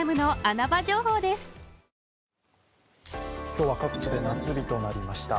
今日は各地で夏日となりました。